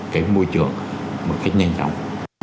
cái môi trường một cách nhanh chóng